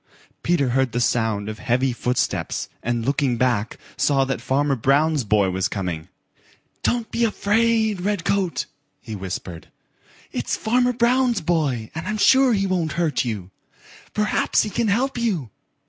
Peter heard the sound of heavy footsteps, and looking back, saw that Farmer Brown's boy was coming. "Don't be afraid, Redcoat," he whispered. "It's Farmer Brown's boy and I'm sure he won't hurt you. Perhaps he can help you."